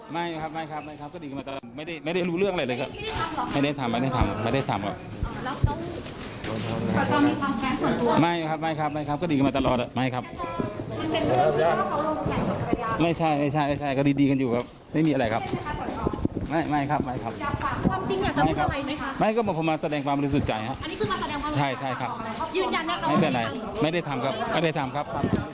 ไม่ครับครับไม่ได้ได้ไม่ได้ทำครับ